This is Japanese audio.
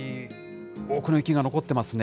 多くの雪が残ってますね。